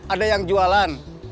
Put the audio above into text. ada yang jualan